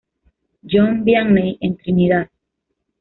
John Vianney en Trinidad.